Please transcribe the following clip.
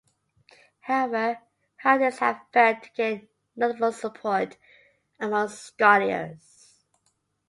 However, her ideas have failed to gain any notable support among scholars.